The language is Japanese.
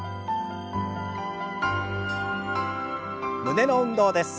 胸の運動です。